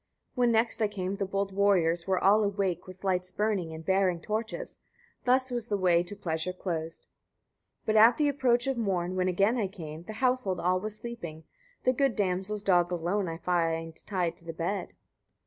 100. When next I came the bold warriors were all awake, with lights burning, and bearing torches: thus was the way to pleasure closed. 101. But at the approach of morn, when again I came, the household all was sleeping; the good damsel's dog alone I found tied to the bed.